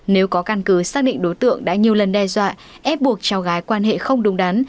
nếu có căn cứ xác định đối tượng đã nhiều lần đe dọa ép buộc cháu gái quan hệ không đúng đắn